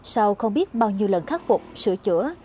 sao không biết bao nhiêu lần khắc phục sửa chữa